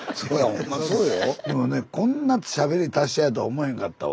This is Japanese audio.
こんなしゃべり達者やと思へんかったわ。